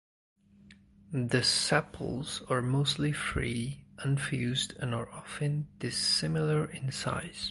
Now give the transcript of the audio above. The sepals are mostly free (unfused) and are often dissimilar in size.